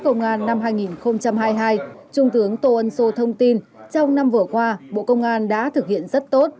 công an năm hai nghìn hai mươi hai trung tướng tô ân sô thông tin trong năm vừa qua bộ công an đã thực hiện rất tốt